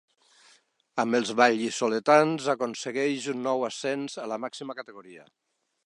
Amb els val·lisoletans aconsegueix un nou ascens a la màxima categoria.